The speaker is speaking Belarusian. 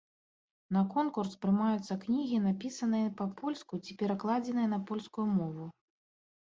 На конкурс прымаюцца кнігі, напісаныя па-польску ці перакладзеныя на польскую мову.